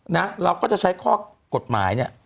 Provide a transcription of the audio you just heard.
นะเราก็จะใช้ข้อกฎหมายเนี่ย